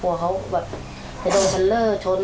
กลัวเค้าแบบจะโดนชันเลอร์ชน